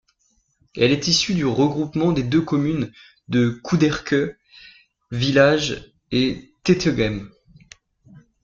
Elle est issue du regroupement des deux communes de Coudekerque-Village et Téteghem.